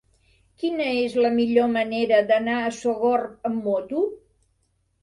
Quina és la millor manera d'anar a Sogorb amb moto?